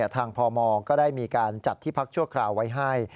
พมก็ได้มีการจัดที่พักชั่วคราวไว้ให้